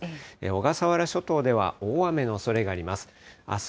小笠原諸島では大雨のおそれがあります。